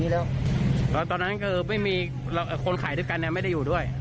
แล้วคนขายด้วยกันไม่ได้อยู่ด้วย